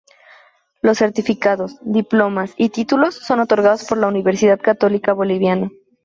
Los Certificados, Diplomas y Títulos son otorgados por la Universidad Católica Boliviana.